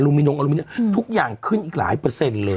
มินงอลูมิเนียทุกอย่างขึ้นอีกหลายเปอร์เซ็นต์เลย